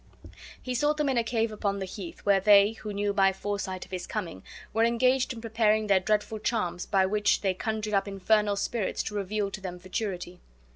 He sought them in a cave upon the heath, where they, who knew by foresight of his coming, were engaged in preparing their dreadful charms by which they conjured up infernal spirits to reveal to them futurity.